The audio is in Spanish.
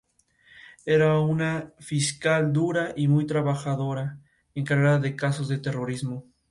Era una fiscal dura y muy trabajadora, encargada de casos de terrorismo.